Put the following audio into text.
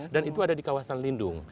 dan itu ada di kawasan lindung